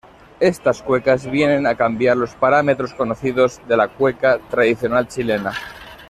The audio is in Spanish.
Estas cuecas vienen a cambiar los parámetros conocidos de la cueca tradicional chilena.